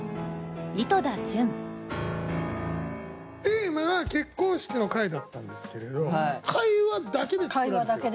テーマが「結婚式」の回だったんですけれど会話だけで作られている。